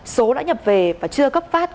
số đã nhập về và chưa cấp phát